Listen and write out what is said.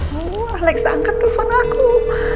wah alex angkat telpon aku